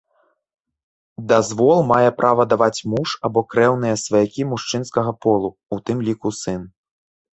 Дазвол мае права даваць муж або крэўныя сваякі мужчынскага полу, у тым ліку сын.